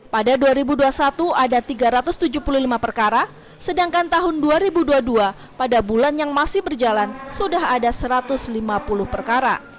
pada dua ribu dua puluh satu ada tiga ratus tujuh puluh lima perkara sedangkan tahun dua ribu dua puluh dua pada bulan yang masih berjalan sudah ada satu ratus lima puluh perkara